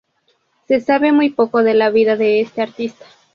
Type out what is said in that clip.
Se sabe muy poco de la vida de este artista.